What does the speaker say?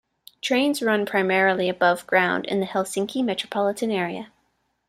Trains run primarily above ground in the Helsinki metropolitan area.